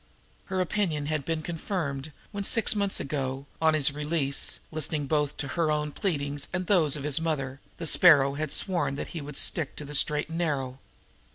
Her opinion had been confirmed when, some six months ago, on his release, listening both to her own pleadings and to those of his mother, the Sparrow had sworn that he would stick to the "straight and narrow."